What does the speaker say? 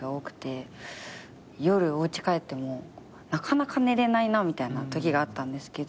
夜おうち帰ってもなかなか寝れないなみたいなときがあったんですけど。